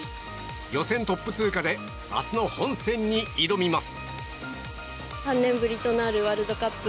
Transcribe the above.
予選トップ通過で明日の本選に挑みます。